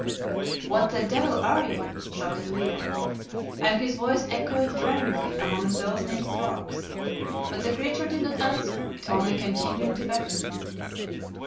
"What the devil are you?" shouted Leo, and his voice echoed drearily among those naked rocks. But the creature did not answer, it only continued to beckon.